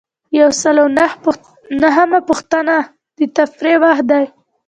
یو سل او نهمه پوښتنه د ترفیع وخت دی.